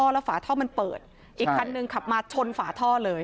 แล้วฝาท่อมันเปิดอีกคันนึงขับมาชนฝาท่อเลย